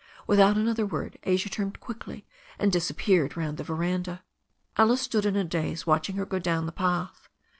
Without another word Asia turned quickly and disappeared round the veranda. Alice stood in a daze watching her go down the path.